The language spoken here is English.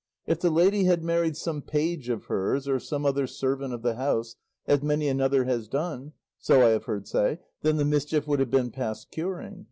If the lady had married some page of hers, or some other servant of the house, as many another has done, so I have heard say, then the mischief would have been past curing.